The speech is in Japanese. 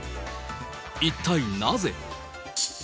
一体なぜ？